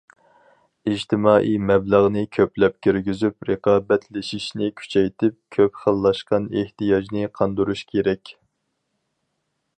ئىجتىمائىي مەبلەغنى كۆپلەپ كىرگۈزۈپ، رىقابەتلىشىشنى كۈچەيتىپ، كۆپ خىللاشقان ئېھتىياجنى قاندۇرۇش كېرەك.